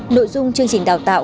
nội dung chương trình đào tạo